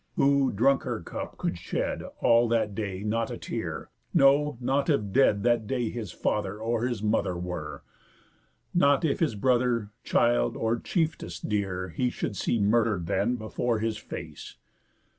Who drunk her cup could shed All that day not a tear, no not if dead That day his father or his mother were, Not if his brother, child, or chiefest dear, He should see murder'd then before his face.